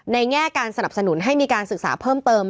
แง่การสนับสนุนให้มีการศึกษาเพิ่มเติม